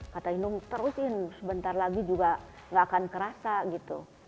kata hindum terusin sebentar lagi juga gak akan kerasa gitu